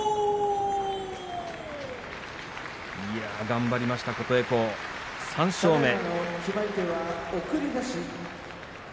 頑張りました、琴恵光、３勝目。